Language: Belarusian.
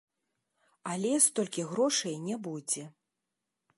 Але столькі грошай не будзе.